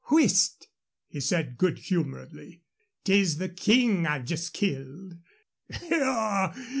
"Whist!" he said, good humoredly; "'tis the King I've just killed."